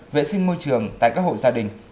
vệ sinh môi trường tại các hội gia đình